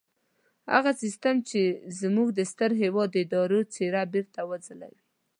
هغه سيستم چې زموږ د ستر هېواد اداري څېره بېرته وځلوي.